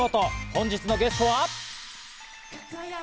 本日のゲストは。